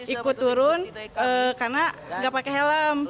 ikut turun karena nggak pakai helm